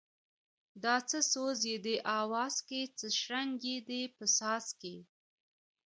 دا څه سوز یې دی اواز کی څه شرنگی یې دی په ساز کی